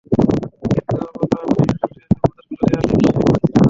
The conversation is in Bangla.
কিন্তু ও বলল, আপনি স্টুডেন্টদেরকে প্রোজেক্টগুলো দেয়ার দিন সে এখানে ছিল না।